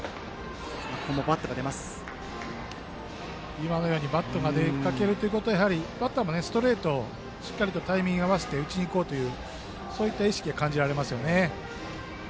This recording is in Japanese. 今のようにバットが出かけるということはやはりバッターもストレートにしっかりタイミングを合わせて打ちに行こうという意識が感じられますね。